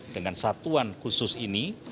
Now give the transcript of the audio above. dengan satuan khusus ini